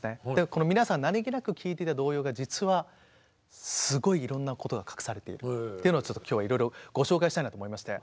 この皆さん何気なく聴いていた童謡が実はすごいいろんなことが隠されているというのを今日はいろいろご紹介したいなと思いまして。